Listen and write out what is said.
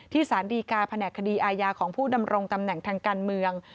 สารดีการแผนกคดีอาญาของผู้ดำรงตำแหน่งทางการเมือง